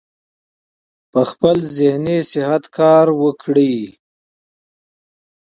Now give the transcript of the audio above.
پۀ خپل ذهني صحت کار وکړي -